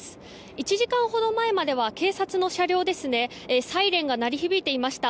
１時間ほど前までは警察の車両サイレンが鳴り響いていました。